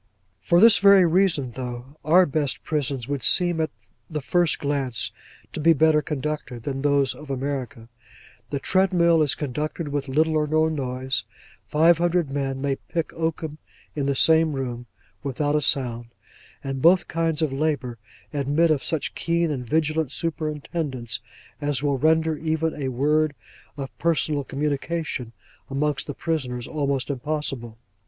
For this very reason though, our best prisons would seem at the first glance to be better conducted than those of America. The treadmill is conducted with little or no noise; five hundred men may pick oakum in the same room, without a sound; and both kinds of labour admit of such keen and vigilant superintendence, as will render even a word of personal communication amongst the prisoners almost impossible.